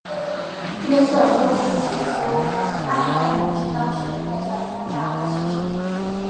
约瑟夫斯指出艾赛尼是当时犹太教的三大派系之一。